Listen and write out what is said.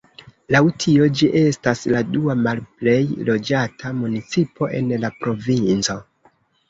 Laŭ tio ĝi estas la dua malplej loĝata municipo en la provinco.